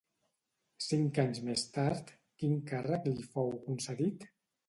Cinc anys més tard, quin càrrec li fou concedit?